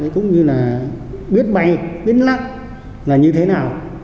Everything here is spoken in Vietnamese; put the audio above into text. cũng như là biết bay biết lắc là như thế nào